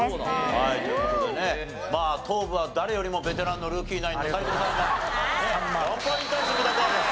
はいという事でねまあ頭部は誰よりもベテランのルーキーナインの斎藤さんが４ポイント積み立て。